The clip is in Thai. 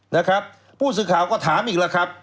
นะครับผู้สื่อข่าวก็ถามอีกแล้วครับ